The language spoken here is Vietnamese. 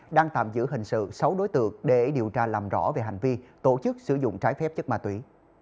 đang tạm giữ hình sự sáu đối tượng để điều tra làm rõ về hành vi tổ chức sử dụng trái phép chất ma túy